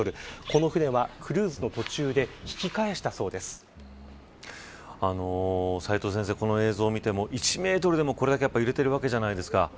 この船はクルーズの途中で斎藤先生、この映像を見ても１メートルでも、これだけ揺れてるわけじゃないですか。